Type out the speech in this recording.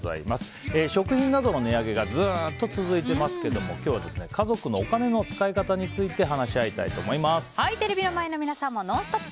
食品などの値上げがずっと続いていますが今日は家族のお金の使い方についてテレビの前の皆さんもＮＯＮＳＴＯＰ！